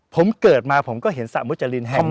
ผมเกิดมาผมก็เห็นสระมุจรินแห่งนี้